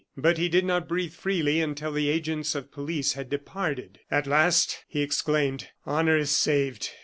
But he did not breathe freely until the agents of police had departed. "At last," he exclaimed, "honor is saved!